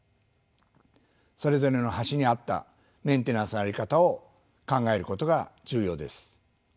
それぞれの橋に合ったメンテナンスの在り方を考えることが重要です。